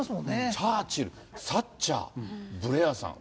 チャーチル、サッチャー、ブレアさん。